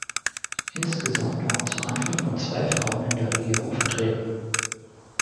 Insgesamt waren zu Anfang nur zwei Frauen in der Regierung vertreten.